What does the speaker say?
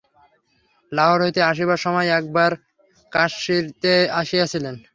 লাহোর হইতে আসিবার সময় একবার কাশীতে আসিয়াছিলেন।